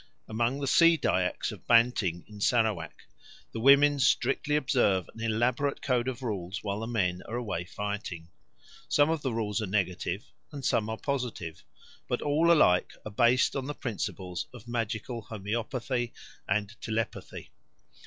Among the Sea Dyaks of Banting in Sarawak the women strictly observe an elaborate code of rules while the men are away fighting. Some of the rules are negative and some are positive, but all alike are based on the principles of magical homoeopathy and telepathy.